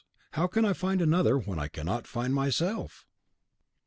how can I find another when I cannot find myself?)